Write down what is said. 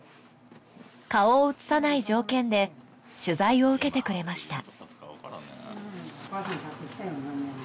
顔を映さない条件で取材を受けてくれました